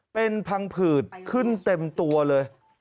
เป็นพังผืดขึ้นเต็มตัวเลย